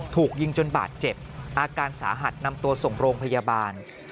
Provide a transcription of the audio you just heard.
ถูกยิงจนบาดเจ็บอาการสาหัสนำตัวส่งโรงพยาบาล